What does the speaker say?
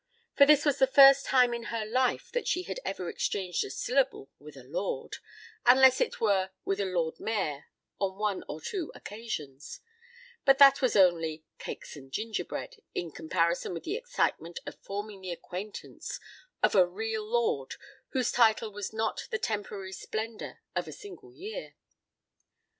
For this was the first time in her life that she had ever exchanged a syllable with a Lord, unless it were with a Lord Mayor on one or two occasions—but that was only "cakes and gingerbread" in comparison with the excitement of forming the acquaintance of a real Lord whose title was not the temporary splendour of a single year.